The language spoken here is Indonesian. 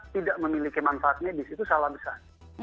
tidak memiliki manfaat medis itu salah besar